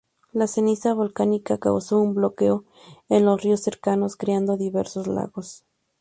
La ceniza volcánica causó un bloqueo en los ríos cercanos creando diversos lagos.